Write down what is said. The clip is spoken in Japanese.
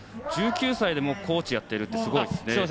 １９歳でコーチをやっているってすごいですね。